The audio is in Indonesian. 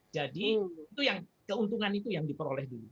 jadi keuntungan itu yang diperoleh dulu